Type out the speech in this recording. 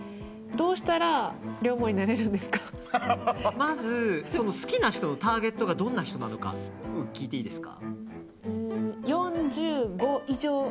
まず好きな人のターゲットがどんな人なのかを聞いていいですか？